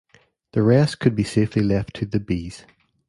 The rest could be safely left to the bees.